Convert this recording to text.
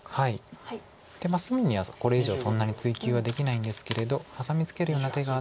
隅にはこれ以上そんなに追及はできないんですけれどハサミツケるような手があって。